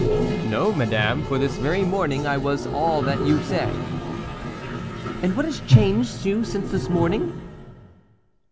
"No, madame, for this very morning I was all that you say." "And what has changed you since this morning?"